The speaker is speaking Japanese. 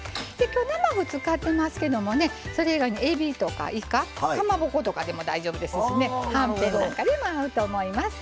今日生麩使ってますけどもねそれ以外にえびとかいかかまぼことかでも大丈夫ですしはんぺんなんかでも合うと思います。